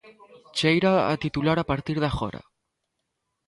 Cheira a titular a partir de agora.